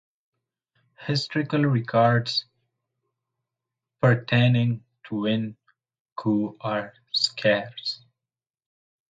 Historical records pertaining to Wen Chou are scarce.